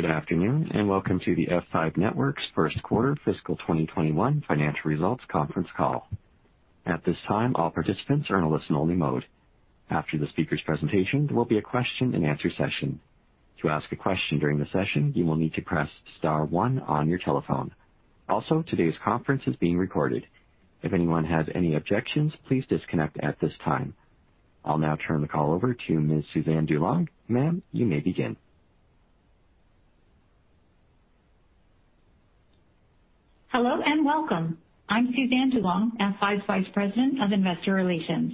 Good afternoon, and welcome to the F5 Networks' First Quarter Fiscal 2021 Financial Results Conference Call. At this time, all participants are in a listen-only mode. After the speakers' presentation, there will be a question-and-answer session. To ask a question during the session, you will need to press star one on your telephone. Also, today's conference is being recorded. If anyone has any objections, please disconnect at this time. I'll now turn the call over to Ms. Suzanne DuLong. Ma'am, you may begin. Hello, and welcome. I'm Suzanne DuLong, F5's Vice President of Investor Relations.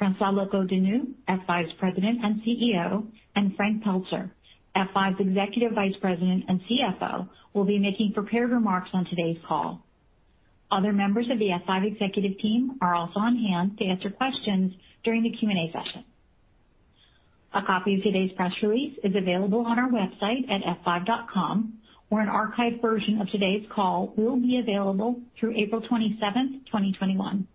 François Locoh-Donou, F5's President and CEO, and Frank Pelzer, F5's Executive Vice President and CFO, will be making prepared remarks on today's call. Other members of the F5 executive team are also on hand to answer questions during the Q&A session. A copy of today's press release is available on our website at f5.com, where an archived version of today's call will be available through April 27th, 2021.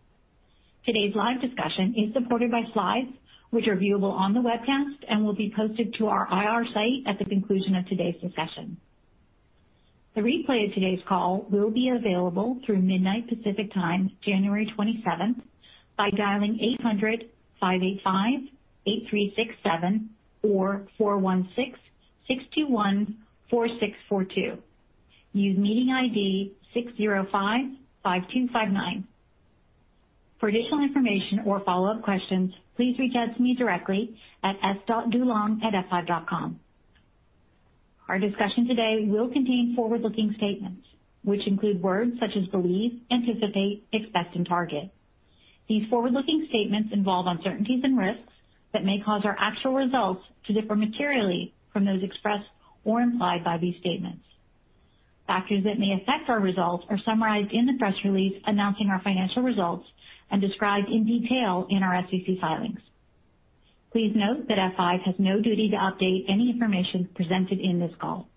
Today's live discussion is supported by slides which are viewable on the webcast and will be posted to our IR site at the conclusion of today's discussion. A replay of today’s call will be available through midnight Pacific time, January 27th, by dialing 800-585-8367 or 416-621-4642 using meeting ID 605-5259. For additional information or follow-up questions, please reach out to me directly at s.dulong@f5.com. Our discussion today will contain forward-looking statements, which include words such as believe, anticipate, expect, and target. These forward-looking statements involve uncertainties and risks that may cause our actual results to differ materially from those expressed or implied by these statements. Factors that may affect our results are summarized in the press release announcing our financial results and described in detail in our SEC filings. Please note that F5 has no duty to update any information presented in this call.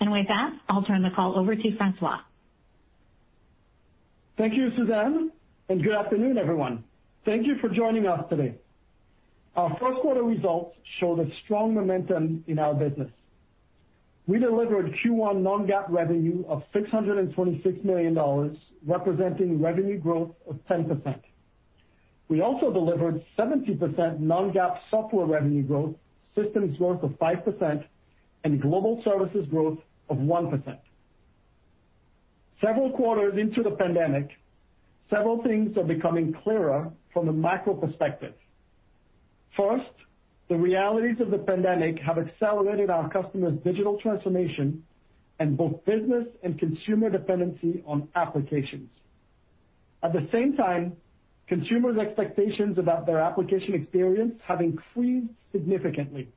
With that, I'll turn the call over to François. Thank you, Suzanne, and good afternoon, everyone. Thank you for joining us today. Our first quarter results showed a strong momentum in our business. We delivered Q1 non-GAAP revenue of $626 million, representing revenue growth of 10%. We also delivered 70% non-GAAP software revenue growth, systems growth of 5%, and global services growth of 1%. Several quarters into the pandemic, several things are becoming clearer from the macro perspective. First, the realities of the pandemic have accelerated our customers' digital transformation and both business and consumer dependency on applications. At the same time, consumers' expectations about their application experience have increased significantly.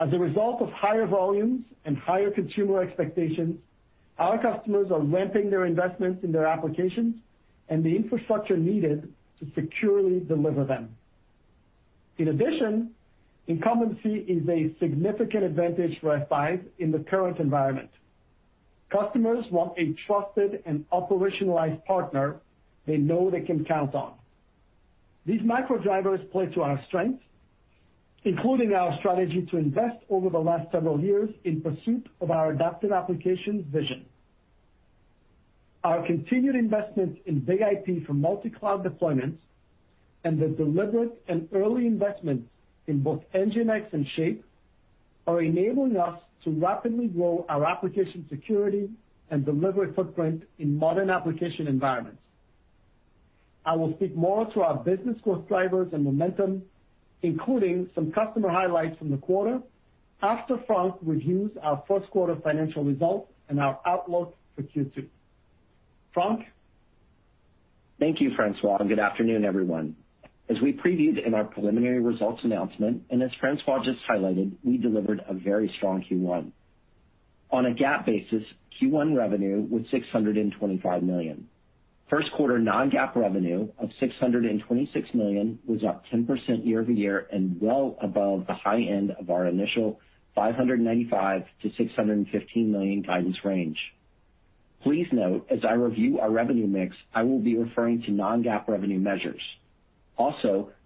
As a result of higher volumes and higher consumer expectations, our customers are ramping their investments in their applications and the infrastructure needed to securely deliver them. In addition, incumbency is a significant advantage for F5 in the current environment. Customers want a trusted and operationalized partner they know they can count on. These macro drivers play to our strength, including our strategy to invest over the last several years in pursuit of our adaptive applications vision. Our continued investments in BIG-IP for multi-cloud deployments and the deliberate and early investments in both NGINX and Shape are enabling us to rapidly grow our application security and delivery footprint in modern application environments. I will speak more to our business growth drivers and momentum, including some customer highlights from the quarter after Frank reviews our first quarter financial results and our outlook for Q2. Frank? Thank you, François. Good afternoon, everyone. As we previewed in our preliminary results announcement, as François just highlighted, we delivered a very strong Q1. On a GAAP basis, Q1 revenue was $625 million. First quarter non-GAAP revenue of $626 million was up 10% year-over-year and well above the high end of our initial $595 million-$615 million guidance range. Please note as I review our revenue mix, I will be referring to non-GAAP revenue measures.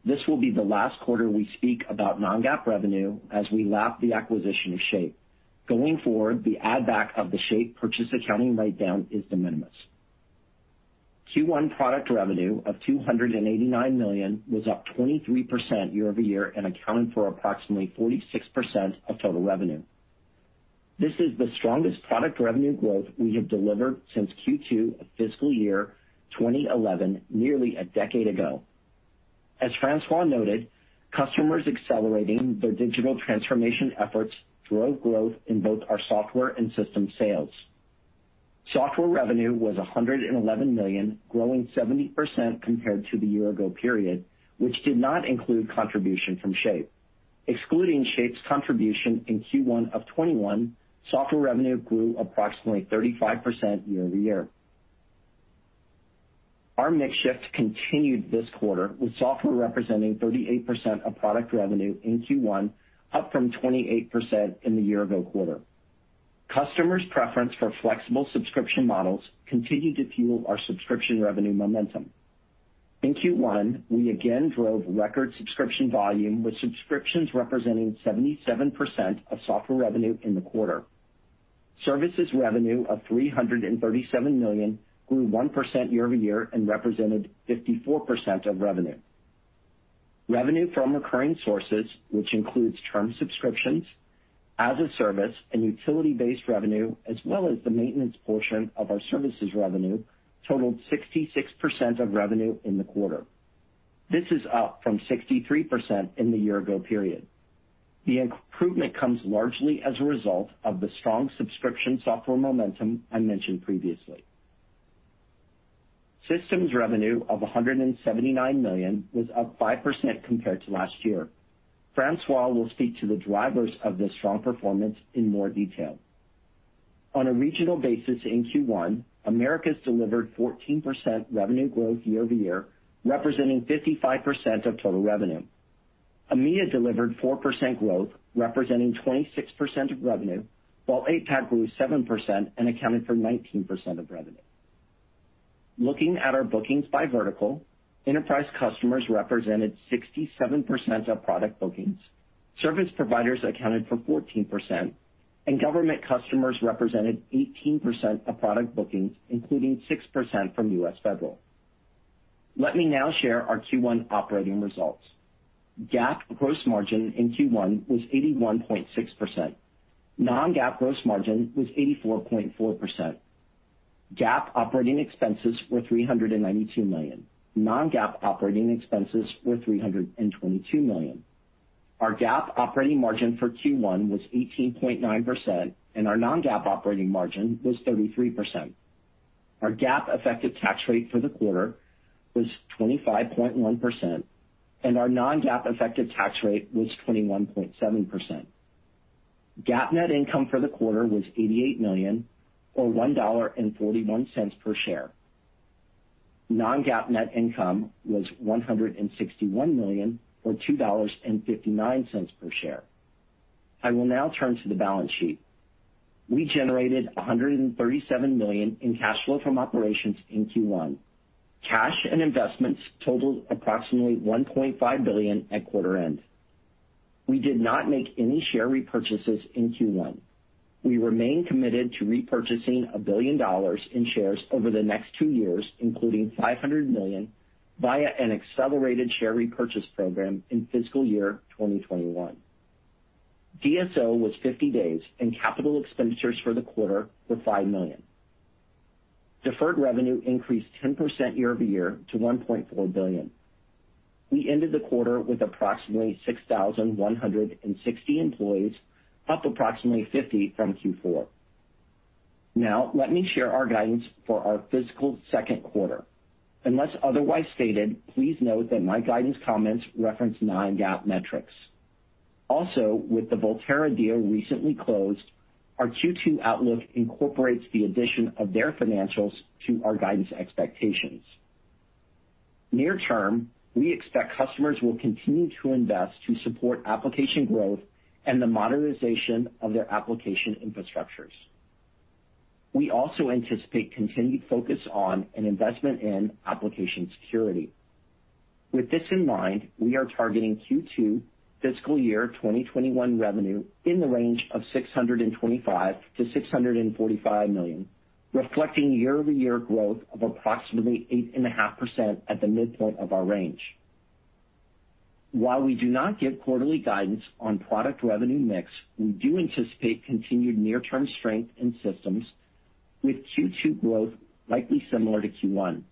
This will be the last quarter we speak about non-GAAP revenue as we lap the acquisition of Shape. Going forward, the add back of the Shape purchase accounting write-down is de minimis. Q1 product revenue of $289 million was up 23% year-over-year and accounted for approximately 46% of total revenue. This is the strongest product revenue growth we have delivered since Q2 of fiscal year 2011, nearly a decade ago. As François noted, customers accelerating their digital transformation efforts drove growth in both our software and system sales. Software revenue was $111 million, growing 70% compared to the year-ago period, which did not include contribution from Shape. Excluding Shape's contribution in Q1 of 2021, software revenue grew approximately 35% year-over-year. Our mix shift continued this quarter, with software representing 38% of product revenue in Q1, up from 28% in the year-ago quarter. Customers' preference for flexible subscription models continued to fuel our subscription revenue momentum. In Q1, we again drove record subscription volume, with subscriptions representing 77% of software revenue in the quarter. Services revenue of $337 million grew 1% year-over-year and represented 54% of revenue. Revenue from recurring sources, which includes term subscriptions, as a service and utility-based revenue, as well as the maintenance portion of our services revenue, totaled 66% of revenue in the quarter. This is up from 63% in the year-ago period. The improvement comes largely as a result of the strong subscription software momentum I mentioned previously. Systems revenue of $179 million was up 5% compared to last year. François will speak to the drivers of this strong performance in more detail. On a regional basis in Q1, Americas delivered 14% revenue growth year-over-year, representing 55% of total revenue. EMEA delivered 4% growth, representing 26% of revenue, while APAC grew 7% and accounted for 19% of revenue. Looking at our bookings by vertical, enterprise customers represented 67% of product bookings, service providers accounted for 14%, and government customers represented 18% of product bookings, including 6% from U.S. federal. Let me now share our Q1 operating results. GAAP gross margin in Q1 was 81.6%. Non-GAAP gross margin was 84.4%. GAAP operating expenses were $392 million. Non-GAAP operating expenses were $322 million. Our GAAP operating margin for Q1 was 18.9%, and our non-GAAP operating margin was 33%. Our GAAP effective tax rate for the quarter was 25.1%, and our non-GAAP effective tax rate was 21.7%. GAAP net income for the quarter was $88 million, or $1.41 per share. Non-GAAP net income was $161 million, or $2.59 per share. I will now turn to the balance sheet. We generated $137 million in cash flow from operations in Q1. Cash and investments totaled approximately $1.5 billion at quarter end. We did not make any share repurchases in Q1. We remain committed to repurchasing $1 billion in shares over the next two years, including $500 million via an accelerated share repurchase program in fiscal year 2021. DSO was 50 days. Capital expenditures for the quarter were $5 million. Deferred revenue increased 10% year-over-year to $1.4 billion. We ended the quarter with approximately 6,160 employees, up approximately 50 from Q4. Now, let me share our guidance for our fiscal second quarter. Unless otherwise stated, please note that my guidance comments reference non-GAAP metrics. With the Volterra deal recently closed, our Q2 outlook incorporates the addition of their financials to our guidance expectations. Near term, we expect customers will continue to invest to support application growth and the modernization of their application infrastructures. We also anticipate continued focus on an investment in application security. With this in mind, we are targeting Q2 fiscal year 2021 revenue in the range of $625 million-$645 million, reflecting year-over-year growth of approximately 8.5% at the midpoint of our range. While we do not give quarterly guidance on product revenue mix, we do anticipate continued near-term strength in systems, with Q2 growth likely similar to Q1.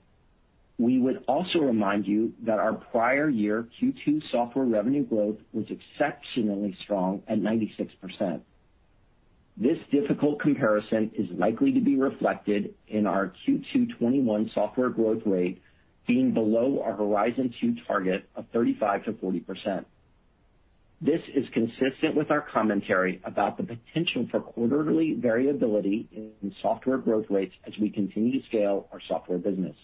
We would also remind you that our prior year Q2 software revenue growth was exceptionally strong at 96%. This difficult comparison is likely to be reflected in our Q2 2021 software growth rate being below our Horizon 2 target of 35%-40%. This is consistent with our commentary about the potential for quarterly variability in software growth rates as we continue to scale our software business.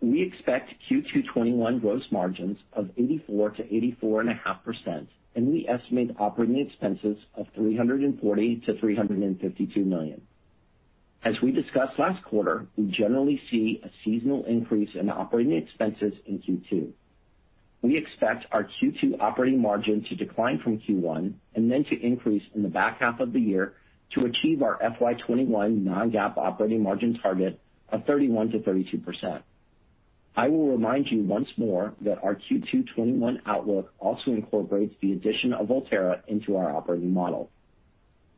We expect Q2 2021 gross margins of 84%-84.5%, and we estimate operating expenses of $340 million-$352 million. As we discussed last quarter, we generally see a seasonal increase in operating expenses in Q2. We expect our Q2 operating margin to decline from Q1 and then to increase in the back half of the year to achieve our FY 2021 non-GAAP operating margin target of 31%-32%. I will remind you once more that our Q2 2021 outlook also incorporates the addition of Volterra into our operating model.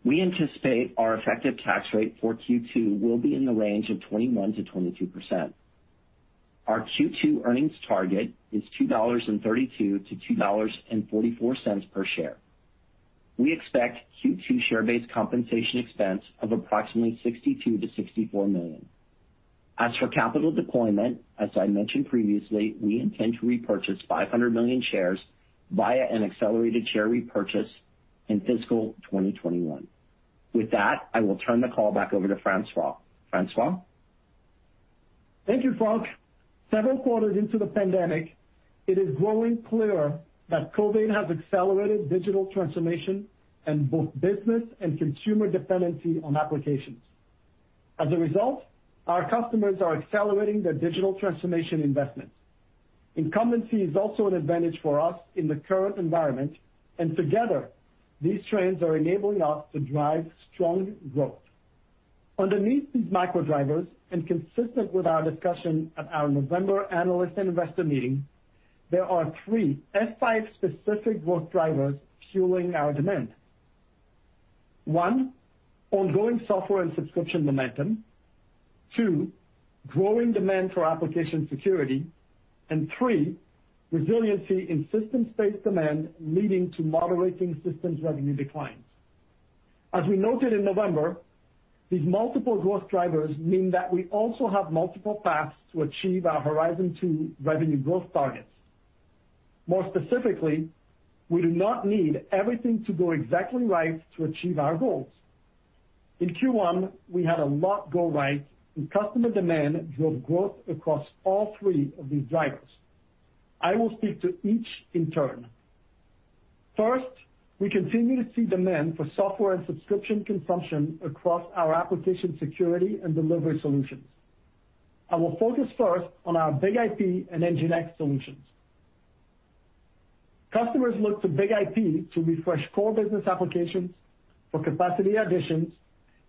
We anticipate our effective tax rate for Q2 will be in the range of 21%-22%. Our Q2 earnings target is $2.32-$2.44 per share. We expect Q2 share-based compensation expense of approximately $62 million-$64 million. As for capital deployment, as I mentioned previously, we intend to repurchase 500 million shares via an accelerated share repurchase in fiscal 2021. With that, I will turn the call back over to François. François? Thank you, Frank. Several quarters into the pandemic, it is growing clearer that COVID has accelerated digital transformation and both business and consumer dependency on applications. As a result, our customers are accelerating their digital transformation investments. Incumbency is also an advantage for us in the current environment, and together, these trends are enabling us to drive strong growth. Underneath these micro drivers, and consistent with our discussion at our November Analyst and Investor Meeting, there are three F5 specific growth drivers fueling our demand. One, ongoing software and subscription momentum. Two, growing demand for application security. Three, resiliency in systems-based demand leading to moderating systems revenue declines. As we noted in November, these multiple growth drivers mean that we also have multiple paths to achieve our Horizon 2 revenue growth targets. More specifically, we do not need everything to go exactly right to achieve our goals. In Q1, we had a lot go right and customer demand drove growth across all three of these drivers. I will speak to each in turn. First, we continue to see demand for software and subscription consumption across our application security and delivery solutions. I will focus first on our BIG-IP and NGINX solutions. Customers look to BIG-IP to refresh core business applications for capacity additions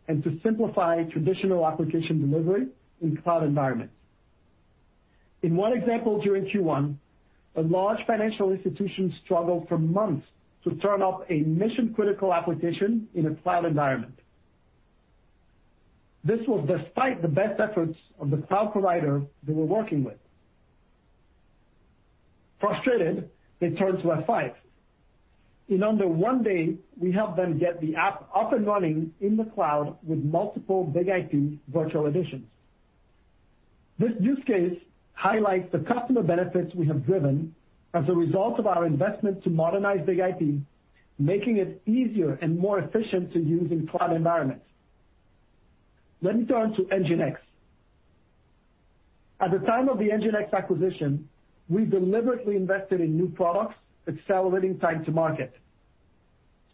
and to simplify traditional application delivery in cloud environments. In one example during Q1, a large financial institution struggled for months to turn up a mission-critical application in a cloud environment. This was despite the best efforts of the cloud provider they were working with. Frustrated, they turned to F5. In under one day, we helped them get the app up and running in the cloud with multiple BIG-IP virtual editions. This use case highlights the customer benefits we have driven as a result of our investment to modernize BIG-IP, making it easier and more efficient to use in cloud environments. Let me turn to NGINX. At the time of the NGINX acquisition, we deliberately invested in new products, accelerating time to market.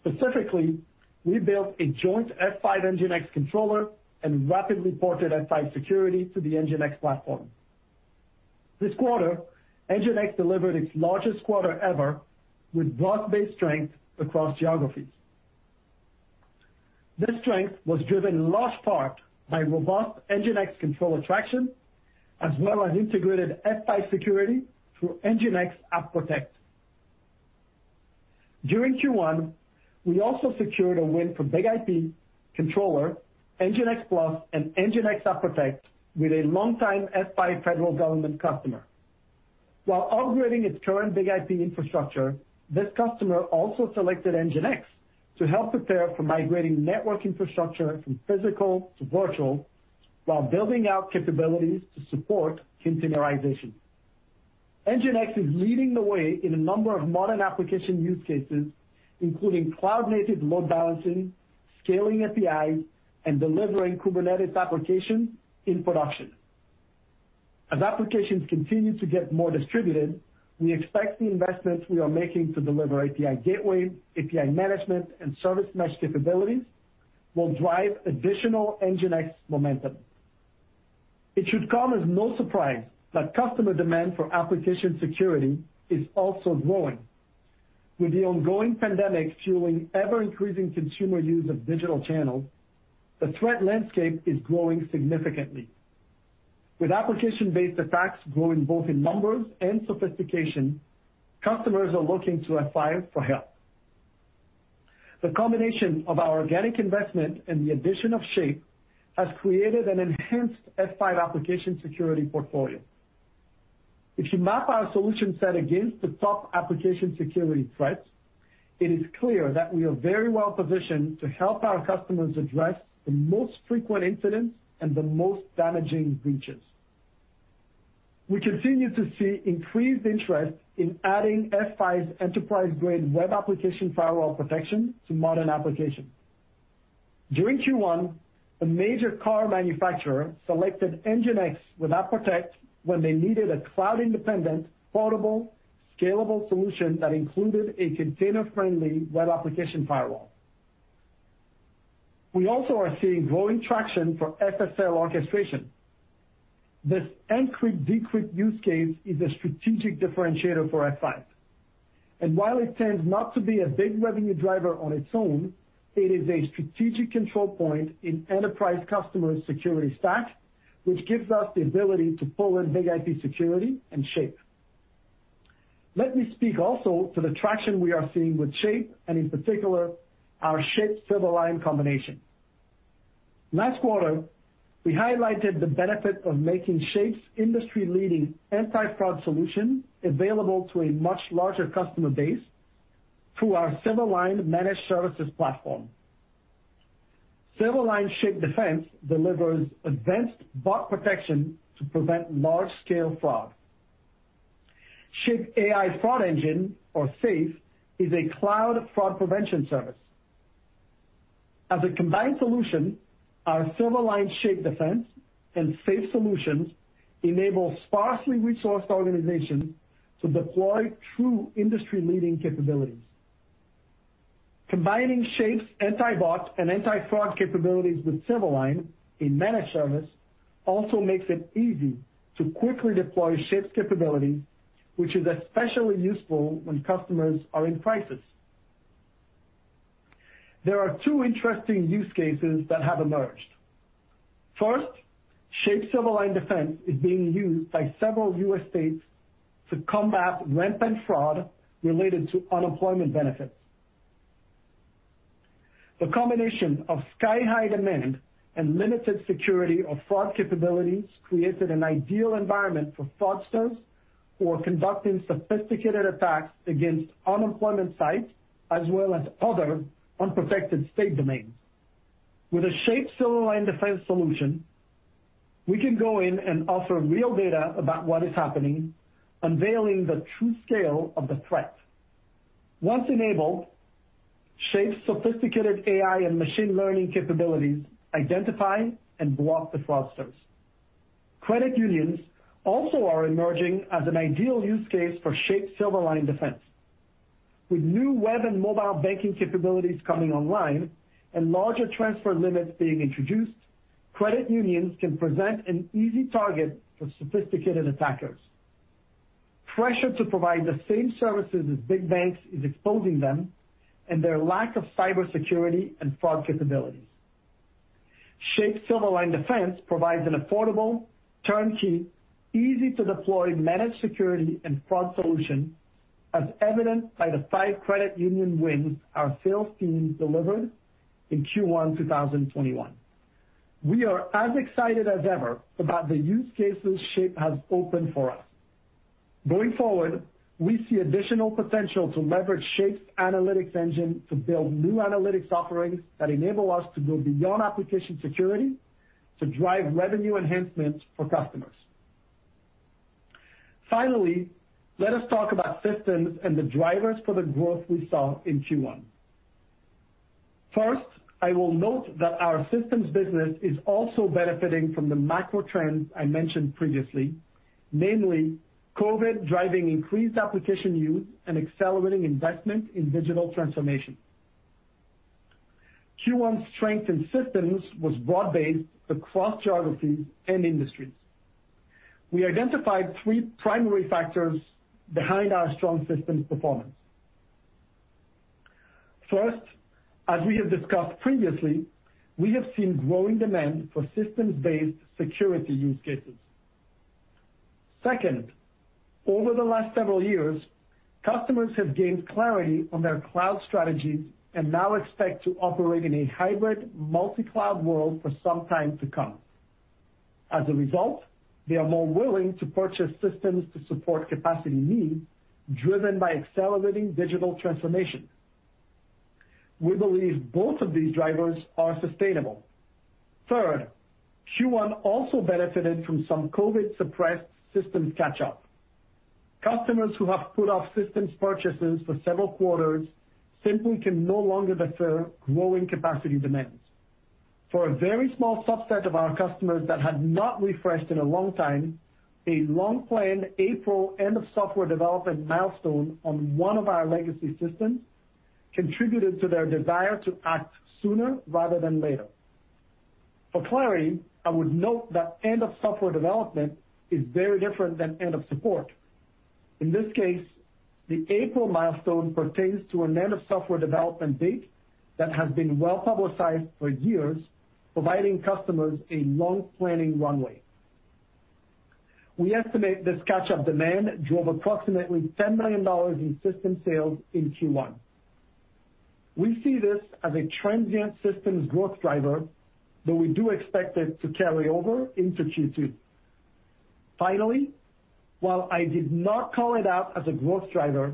Specifically, we built a joint F5 NGINX Controller and rapidly ported F5 security to the NGINX platform. This quarter, NGINX delivered its largest quarter ever with broad-based strength across geographies. This strength was driven in large part by robust NGINX Controller traction, as well as integrated F5 security through NGINX App Protect. During Q1, we also secured a win for BIG-IP Controller, NGINX Plus, and NGINX App Protect with a longtime F5 federal government customer. While upgrading its current BIG-IP infrastructure, this customer also selected NGINX to help prepare for migrating network infrastructure from physical to virtual, while building out capabilities to support containerization. NGINX is leading the way in a number of modern application use cases, including cloud-native load balancing, scaling APIs, and delivering Kubernetes applications in production. As applications continue to get more distributed, we expect the investments we are making to deliver API gateway, API management, and service mesh capabilities will drive additional NGINX momentum. It should come as no surprise that customer demand for application security is also growing. With the ongoing pandemic fueling ever-increasing consumer use of digital channels, the threat landscape is growing significantly. With application-based attacks growing both in numbers and sophistication, customers are looking to F5 for help. The combination of our organic investment and the addition of Shape has created an enhanced F5 application security portfolio. If you map our solution set against the top application security threats, it is clear that we are very well positioned to help our customers address the most frequent incidents and the most damaging breaches. We continue to see increased interest in adding F5's enterprise-grade web application firewall protection to modern applications. During Q1, a major car manufacturer selected NGINX with App Protect when they needed a cloud-independent, portable, scalable solution that included a container-friendly web application firewall. We also are seeing growing traction for SSL orchestration. This encrypt/decrypt use case is a strategic differentiator for F5, and while it tends not to be a big revenue driver on its own, it is a strategic control point in enterprise customer security stack, which gives us the ability to pull in BIG-IP security and Shape. Let me speak also to the traction we are seeing with Shape and in particular, our Shape Silverline combination. Last quarter, we highlighted the benefit of making Shape's industry-leading anti-fraud solution available to a much larger customer base through our Silverline managed services platform. Silverline Shape Defense delivers advanced bot protection to prevent large-scale fraud. Shape AI Fraud Engine, or SAFE, is a cloud fraud prevention service. As a combined solution, our Silverline Shape Defense and SAFE Solutions enable sparsely resourced organizations to deploy true industry-leading capability. Combining Shape's anti-bot and anti-fraud capabilities with Silverline in managed service also makes it easy to quickly deploy Shape's capability, which is especially useful when customers are in crisis. There are two interesting use cases that have emerged. First, Shape Silverline Defense is being used by several U.S. states to combat rampant fraud related to unemployment benefit. The combination of sky-high demand and limited security of fraud capabilities created an ideal environment for fraudsters who are conducting sophisticated attacks against unemployment sites as well as other unprotected state domains. With a Silverline Shape Defense solution, we can go in and offer real data about what is happening, unveiling the true scale of the threat. Once enabled, Shape's sophisticated AI and machine learning capabilities identify and block the fraudsters. Credit unions also are emerging as an ideal use case for Silverline Shape Defense. With new web and mobile banking capabilities coming online and larger transfer limits being introduced, credit unions can present an easy target for sophisticated attackers. Pressure to provide the same services as big banks is exposing them and their lack of cybersecurity and fraud capability. Shape Defense provides an affordable, turnkey, easy-to-deploy managed security and fraud solution, as evidenced by the five credit union wins our sales team delivered in Q1 2021. We are as excited as ever about the use cases Shape has opened for us. Going forward, we see additional potential to leverage Shape's analytics engine to build new analytics offerings that enable us to go beyond application security to drive revenue enhancements for customers. Finally, let us talk about systems and the drivers for the growth we saw in Q1. First, I will note that our systems business is also benefiting from the macro trends I mentioned previously, namely COVID driving increased application use and accelerating investment in digital transformation. Q1 strength in systems was broad-based across geographies and industries. We identified three primary factors behind our strong systems performance. First, as we have discussed previously, we have seen growing demand for systems-based security use cases. Second, over the last several years, customers have gained clarity on their cloud strategies and now expect to operate in a hybrid multicloud world for some time to come. As a result, they are more willing to purchase systems to support capacity needs driven by accelerating digital transformation. We believe both of these drivers are sustainable. Third, Q1 also benefited from some COVID-suppressed systems catch-up. Customers who have put off systems purchases for several quarters simply can no longer defer growing capacity demands. For a very small subset of our customers that had not refreshed in a long time, a long-planned April end-of-software-development milestone on one of our legacy systems contributed to their desire to act sooner rather than later. For clarity, I would note that end of software development is very different than end of support. In this case, the April milestone pertains to an end-of-software development date that has been well-publicized for years, providing customers a long planning runway. We estimate this catch-up demand drove approximately $10 million in system sales in Q1. We see this as a transient systems growth driver, though we do expect it to carry over into Q2. Finally, while I did not call it out as a growth driver,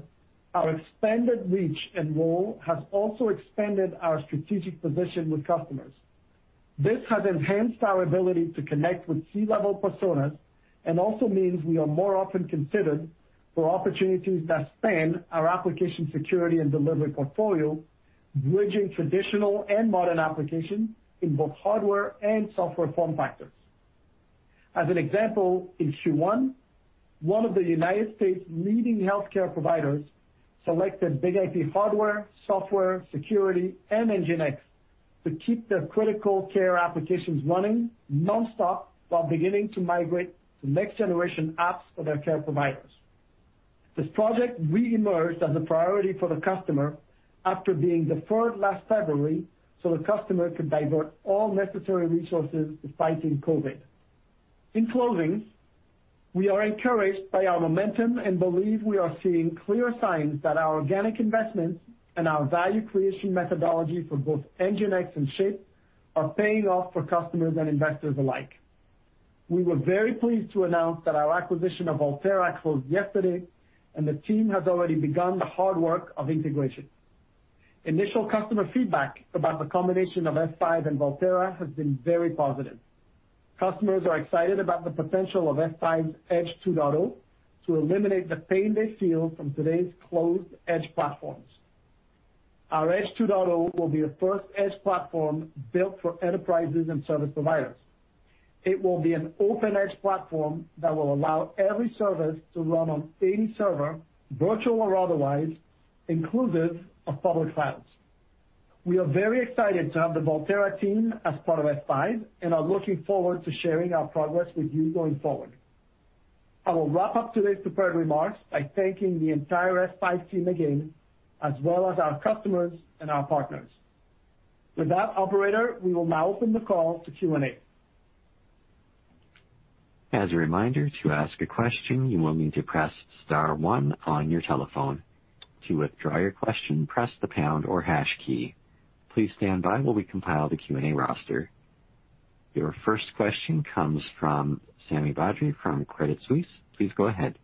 our expanded reach and role has also expanded our strategic position with customers. This has enhanced our ability to connect with C-level personas and also means we are more often considered for opportunities that span our application security and delivery portfolio, bridging traditional and modern applications in both hardware and software form factors. As an example, in Q1, one of the United States' leading healthcare providers selected BIG-IP hardware, software, security, and NGINX to keep their critical care applications running nonstop while beginning to migrate to next-generation apps for their care providers. This project re-emerged as a priority for the customer after being deferred last February so the customer could divert all necessary resources to fighting COVID. In closing, we are encouraged by our momentum and believe we are seeing clear signs that our organic investments and our value creation methodology for both NGINX and Shape are paying off for customers and investors alike. We were very pleased to announce that our acquisition of Volterra closed yesterday, the team has already begun the hard work of integration. Initial customer feedback about the combination of F5 and Volterra has been very positive. Customers are excited about the potential of F5's Edge 2.0 to eliminate the pain they feel from today's closed edge platforms. Our Edge 2.0 will be the first edge platform built for enterprises and service providers. It will be an open edge platform that will allow every service to run on any server, virtual or otherwise, inclusive of public clouds. We are very excited to have the Volterra team as part of F5 and are looking forward to sharing our progress with you going forward. I will wrap up today's prepared remarks by thanking the entire F5 team again, as well as our customers and our partners. With that, operator, we will now open the call to Q&A. As a reminder, to ask a question, you will need to press star one on your telephone. To withdraw your question, press the pound or hash key. Please stand by while we compile the Q&A roster. Your first question comes from Sami Badri from Credit Suisse. Please go ahead.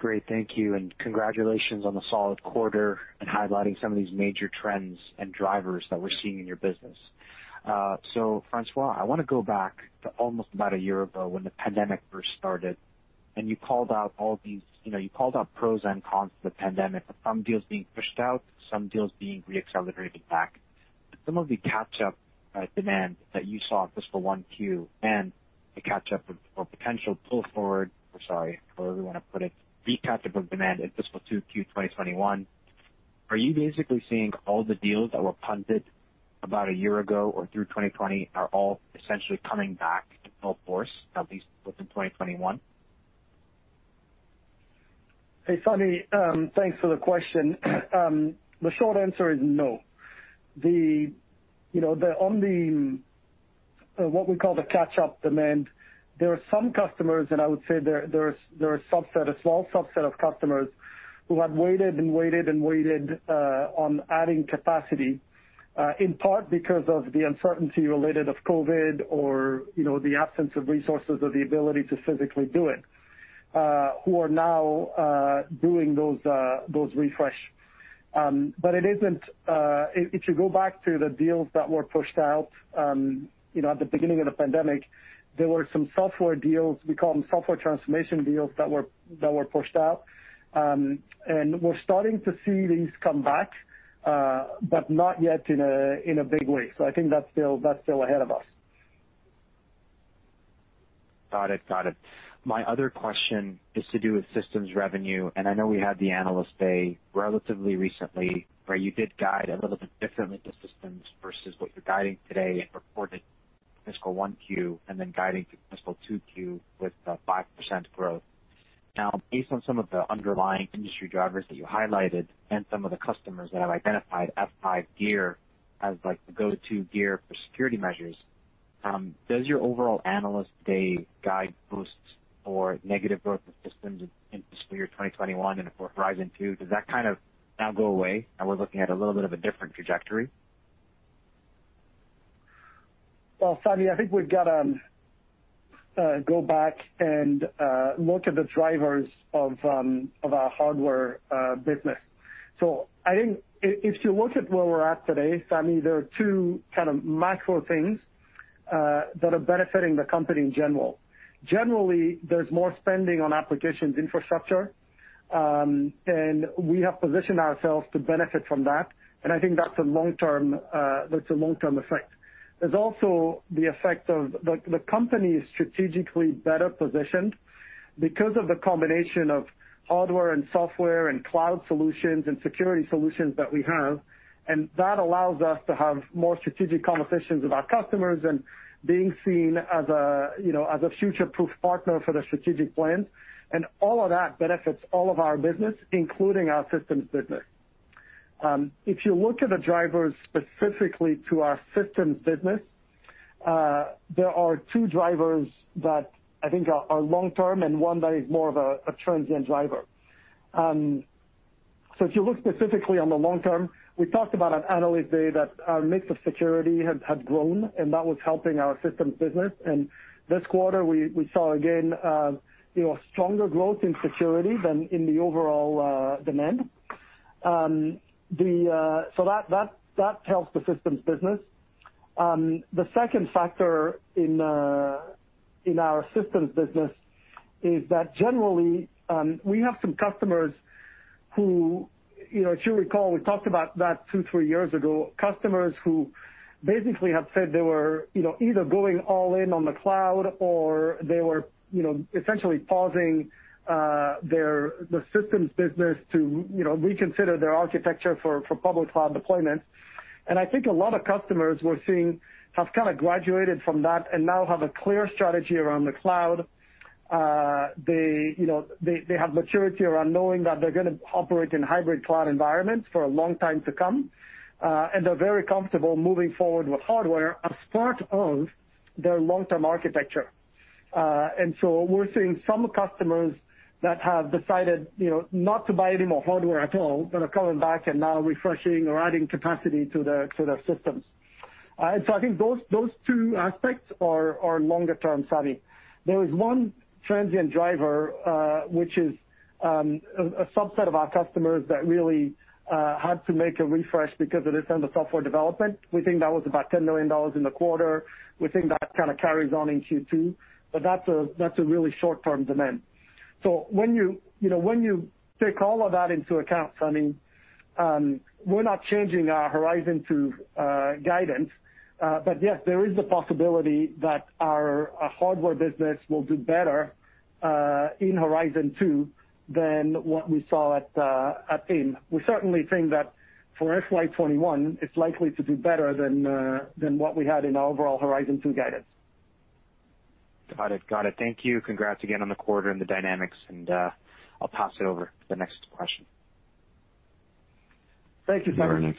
Great. Thank you, and congratulations on the solid quarter and highlighting some of these major trends and drivers that we're seeing in your business. François, I want to go back to almost about a year ago when the pandemic first started, and you called out pros and cons of the pandemic of some deals being pushed out, some deals being re-accelerated back. Some of the catch-up demand that you saw in fiscal 1Q and the catch-up or potential pull forward, or sorry, however you want to put it, the catch-up of demand in fiscal 2Q 2021. Are you basically seeing all the deals that were punted about a year ago or through 2020 are all essentially coming back in full force, at least within 2021? Hey, Sami. Thanks for the question. The short answer is no. On what we call the catch-up demand, there are some customers, and I would say there is a small subset of customers who have waited and waited on adding capacity, in part because of the uncertainty related of COVID or the absence of resources or the ability to physically do it, who are now doing those refresh. If you go back to the deals that were pushed out at the beginning of the pandemic, there were some software deals, we call them software transformation deals, that were pushed out. We're starting to see these come back, but not yet in a big way. I think that's still ahead of us. Got it. My other question is to do with systems revenue, and I know we had the Analyst Day relatively recently, where you did guide a little bit differently to systems versus what you're guiding today and reported fiscal 1Q and then guiding through fiscal 2Q with the 5% growth. Now, based on some of the underlying industry drivers that you highlighted and some of the customers that have identified F5 gear as the go-to gear for security measures, does your overall Analyst Day guide boost or negative growth of systems in fiscal year 2021 and for Horizon 2? Does that kind of now go away, and we're looking at a little bit of a different trajectory? Well, Sami, I think we've got to go back and look at the drivers of our hardware business. I think if you look at where we're at today, Sami, there are two macro things that are benefiting the company in general. Generally, there's more spending on applications infrastructure. We have positioned ourselves to benefit from that, and I think that's a long-term effect. There's also the effect of the company is strategically better positioned because of the combination of hardware and software and cloud solutions and security solutions that we have, and that allows us to have more strategic conversations with our customers and being seen as a future-proof partner for their strategic plans. All of that benefits all of our business, including our systems business. If you look at the drivers specifically to our systems business, there are two drivers that I think are long-term and one that is more of a transient driver. If you look specifically on the long term, we talked about at Analyst Day that our mix of security had grown, and that was helping our systems business. This quarter, we saw again stronger growth in security than in the overall demand. That helps the systems business. The second factor in our systems business is that generally, we have some customers who, as you recall, we talked about that two, three years ago. Customers who basically have said they were either going all in on the cloud or they were essentially pausing the systems business to reconsider their architecture for public cloud deployment. I think a lot of customers we're seeing have kind of graduated from that and now have a clear strategy around the cloud. They have maturity around knowing that they're going to operate in hybrid cloud environments for a long time to come. They're very comfortable moving forward with hardware as part of their long-term architecture. We're seeing some customers that have decided not to buy any more hardware at all, that are coming back and now refreshing or adding capacity to their systems. I think those two aspects are longer term, Sami. There is one transient driver, which is a subset of our customers that really had to make a refresh because of the extent of software development. We think that was about $10 million in the quarter. We think that kind of carries on in Q2, but that's a really short-term demand. When you take all of that into account, we're not changing our Horizon 2 guidance. Yes, there is the possibility that our hardware business will do better in Horizon 2 than what we saw at AIM. We certainly think that for FY 2021, it's likely to do better than what we had in our overall Horizon 2 guidance. Got it. Thank you. Congrats again on the quarter and the dynamics. I'll pass it over to the next question. Thank you, Sami.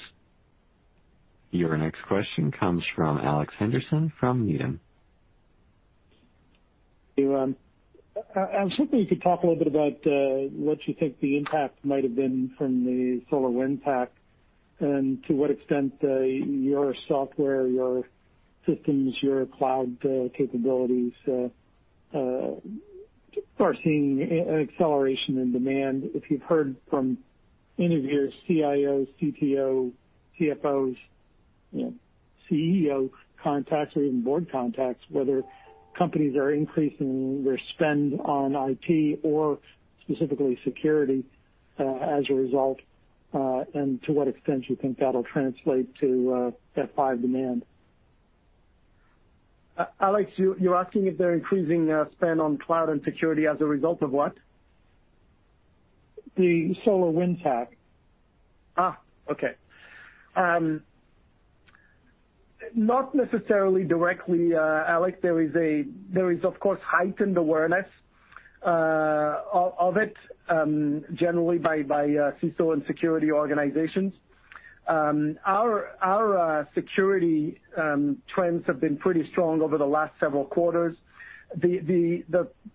Your next question comes from Alex Henderson from Needham. I was hoping you could talk a little bit about what you think the impact might have been from the SolarWinds hack, and to what extent your software, your systems, your cloud capabilities are seeing an acceleration in demand. If you've heard from any of your CIOs, CTO, CFOs, CEO contacts or even board contacts, whether companies are increasing their spend on IT or specifically security as a result, and to what extent you think that'll translate to F5 demand. Alex, you're asking if they're increasing their spend on cloud and security as a result of what? The SolarWinds hack. Okay. Not necessarily directly, Alex. There is, of course, heightened awareness of it, generally by CISO and security organizations. Our security trends have been pretty strong over the last several quarters. The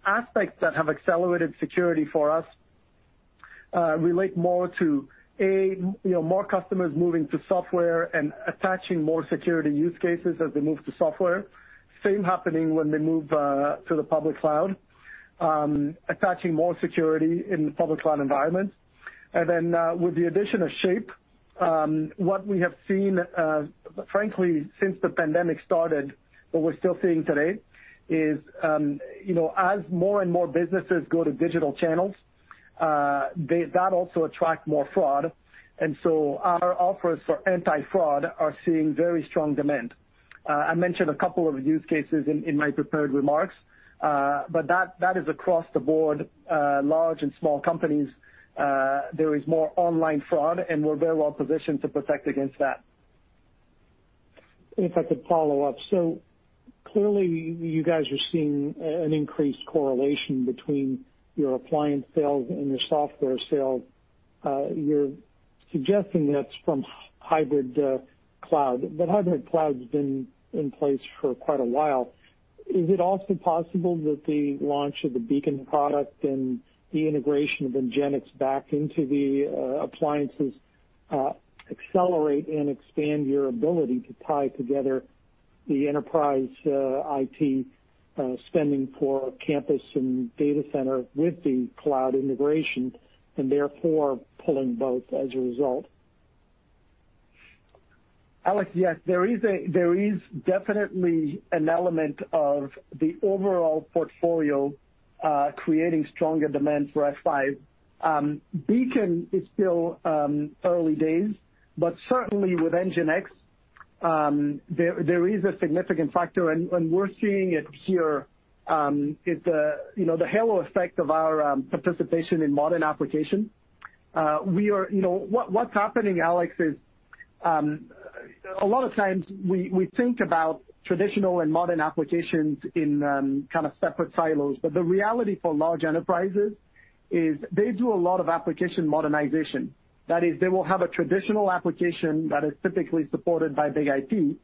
aspects that have accelerated security for us relate more to, A, more customers moving to software and attaching more security use cases as they move to software. Same happening when they move to the public cloud, attaching more security in the public cloud environment. With the addition of Shape, what we have seen, frankly, since the pandemic started, but we're still seeing today is as more and more businesses go to digital channels, that also attract more fraud. Our offers for anti-fraud are seeing very strong demand. I mentioned a couple of use cases in my prepared remarks, but that is across the board, large and small companies. There is more online fraud, and we're very well positioned to protect against that. Clearly you guys are seeing an increased correlation between your appliance sales and your software sales. You're suggesting that's from hybrid cloud, but hybrid cloud's been in place for quite a while. Is it also possible that the launch of the Beacon product and the integration of NGINX back into the appliances accelerate and expand your ability to tie together the enterprise IT spending for campus and data center with the cloud integration, and therefore pulling both as a result? Alex, yes, there is definitely an element of the overall portfolio creating stronger demand for F5. Beacon is still early days, but certainly with NGINX, there is a significant factor, and we're seeing it here. It's the halo effect of our participation in modern application. What's happening, Alex, is a lot of times we think about traditional and modern applications in kind of separate silos, but the reality for large enterprises is they do a lot of application modernization. That is, they will have a traditional application that is typically supported by BIG-IP,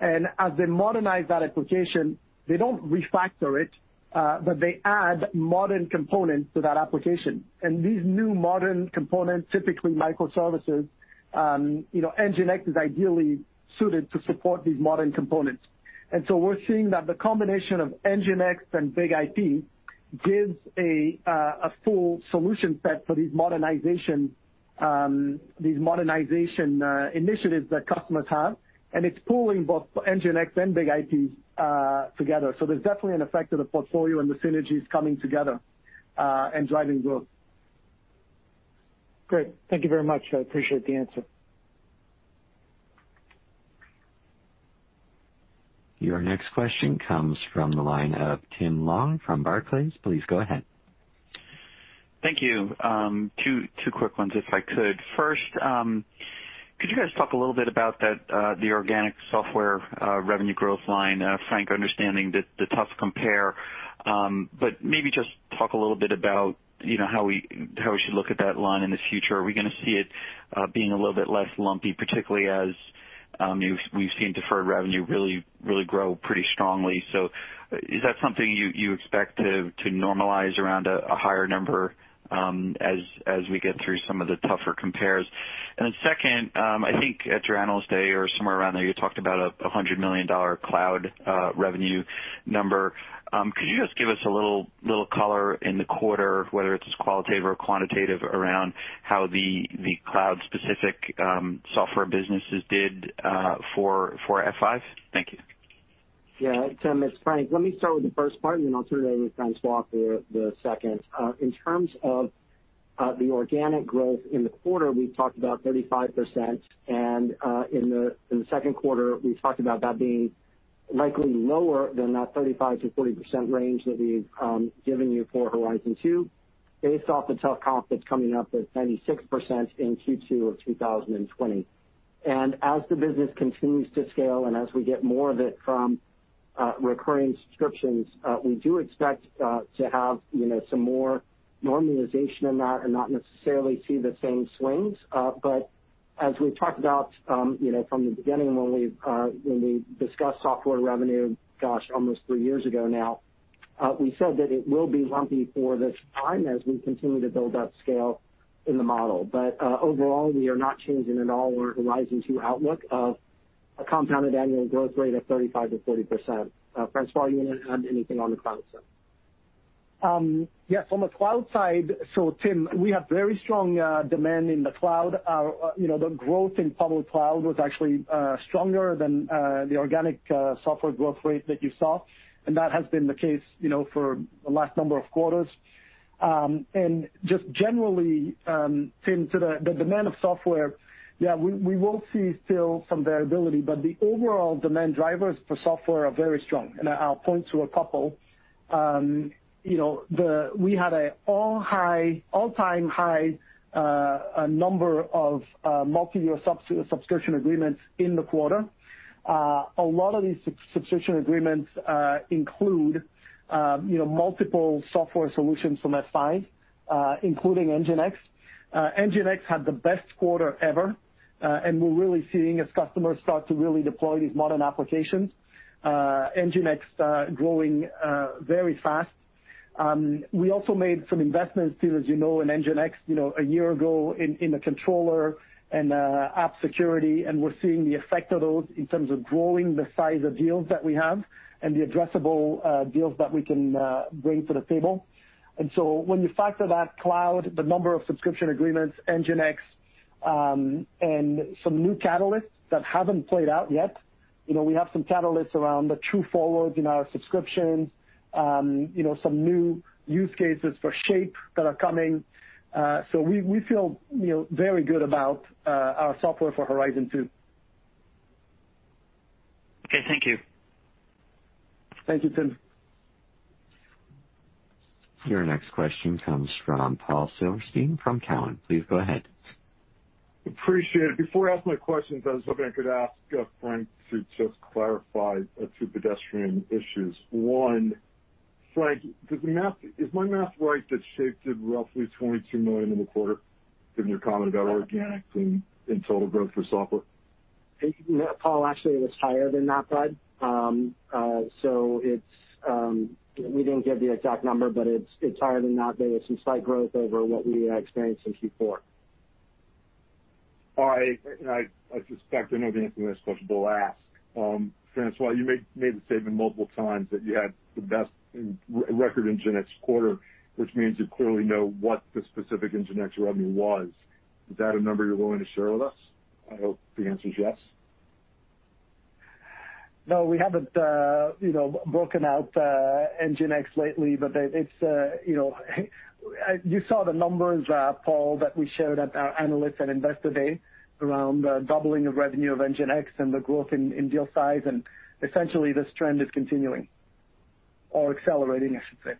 and as they modernize that application, they don't refactor it, but they add modern components to that application. These new modern components, typically microservices, NGINX is ideally suited to support these modern components. We're seeing that the combination of NGINX and BIG-IP gives a full solution set for these modernization initiatives that customers have, and it's pulling both NGINX and BIG-IP together. There's definitely an effect of the portfolio and the synergies coming together, and driving growth. Great. Thank you very much. I appreciate the answer. Your next question comes from the line of Tim Long from Barclays. Please go ahead. Thank you. Two quick ones if I could. First, could you guys talk a little bit about the organic software revenue growth line, Frank, understanding the tough compare, maybe just talk a little bit about how we should look at that line in the future. Are we going to see it being a little bit less lumpy, particularly as we've seen deferred revenue really grow pretty strongly. Is that something you expect to normalize around a higher number as we get through some of the tougher compares? Second, I think at your Analyst Day or somewhere around there, you talked about a $100 million cloud revenue number. Could you just give us a little color in the quarter, whether it's qualitative or quantitative, around how the cloud specific software businesses did for F5? Thank you. Tim, it's Frank. Let me start with the first part, and then I'll turn it over to François for the second. In terms of the organic growth in the quarter, we talked about 35%, and in the second quarter, we talked about that being likely lower than that 35%-40% range that we've given you for Horizon 2 based off the telcon that's coming up at 96% in Q2 2020. As the business continues to scale and as we get more of it from recurring subscriptions, we do expect to have some more normalization in that and not necessarily see the same swings. As we've talked about from the beginning when we discussed software revenue, gosh, almost three years ago now, we said that it will be lumpy for this time as we continue to build out scale in the model. Overall, we are not changing at all our Horizon 2 outlook of a compounded annual growth rate of 35%-40%. François, you want to add anything on the cloud side? On the cloud side, Tim, we have very strong demand in the cloud. The growth in public cloud was actually stronger than the organic software growth rate that you saw. That has been the case for the last number of quarters. Generally, Tim, to the demand of software, we will see still some variability. The overall demand drivers for software are very strong. I'll point to a couple. We had an all-time high number of multiyear subscription agreements in the quarter. A lot of these subscription agreements include multiple software solutions from F5, including NGINX. NGINX had the best quarter ever. We're really seeing as customers start to really deploy these modern applications, NGINX growing very fast. We also made some investments too, as you know, in NGINX a year ago in the controller and app security, and we're seeing the effect of those in terms of growing the size of deals that we have and the addressable deals that we can bring to the table. When you factor that cloud, the number of subscription agreements, NGINX, and some new catalysts that haven't played out yet, we have some catalysts around the True Forward in our subscriptions, some new use cases for Shape that are coming. We feel very good about our software for Horizon 2. Okay, thank you. Thank you, Tim. Your next question comes from Paul Silverstein from Cowen. Please go ahead. Appreciate it. Before I ask my questions, I was hoping I could ask Frank to just clarify two pedestrian issues. One, Frank, is my math right that Shape did roughly $22 million in the quarter, given your comment about organics in total growth for software? Paul, actually, it was higher than that, but we didn't give the exact number, but it's higher than that. There was some slight growth over what we had experienced in Q4. All right. I suspect I know the answer to this question, but I'll ask. François, you made the statement multiple times that you had the best record NGINX quarter, which means you clearly know what the specific NGINX revenue was. Is that a number you're willing to share with us? I hope the answer is yes. No, we haven't broken out NGINX lately. You saw the numbers, Paul, that we showed at our Analyst and Investor Day around the doubling of revenue of NGINX and the growth in deal size. Essentially this trend is continuing or accelerating, I should say.